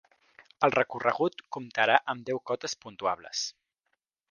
El recorregut comptarà amb deu cotes puntuables.